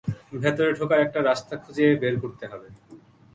ভেতরে ঢোকার একটা রাস্তা খুঁজে বের করতে হবে।